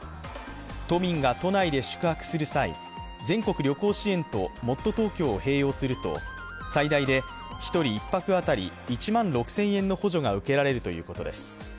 都民が都内で宿泊する際全国旅行支援ともっとＴｏｋｙｏを併用すると最大で１人１泊当たり１万６０００円の補助が受けられるということです。